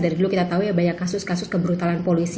dari dulu kita tahu ya banyak kasus kasus kebrutalan polisi